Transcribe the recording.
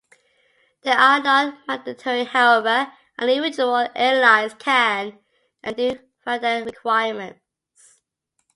They are not mandatory, however, and individual airlines can and do vary their requirements.